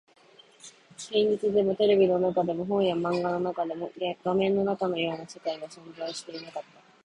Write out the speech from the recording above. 現実でも、テレビの中でも、本や漫画の中でも、画面の中のような世界は存在していなかった